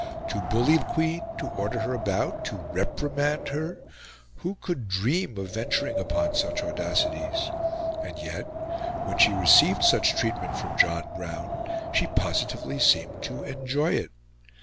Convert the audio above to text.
To bully the Queen, to order her about, to reprimand her who could dream of venturing upon such audacities? And yet, when she received such treatment from John Brown, she positively seemed to enjoy it.